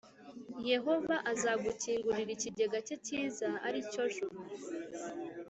yehova azagukingurira ikigega cye cyiza, ari cyo juru,